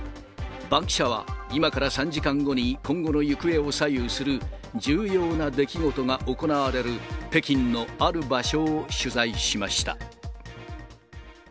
バンキシャは、今から３時間後に今後の行方を左右する重要な出来事が行われる北京のある場所を取材しました。